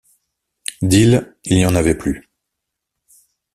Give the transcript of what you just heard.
D’île, il n’y en avait plus!